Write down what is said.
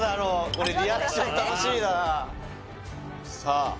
これリアクション楽しみだなさあ